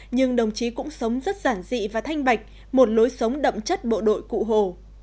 nhưng đồng chí cũng sống rất giản dị và thanh bạch một lối sống đậm chất bộ đội cụ hồ